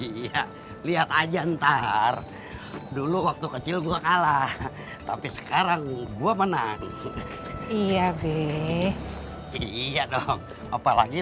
iya lihat aja ntar dulu waktu kecil gua kalah tapi sekarang gua menang iya be iya dong apalagi